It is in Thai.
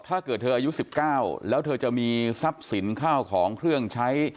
ถ้าเกิดเธออายุ๑๙แล้วเธอจะมีทรัพย์สินข้าวของเครื่องใช้